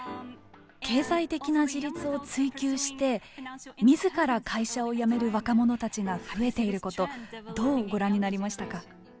経済的な自立を追求してみずから会社を辞める若者たちが増えていることどうご覧になりましたか。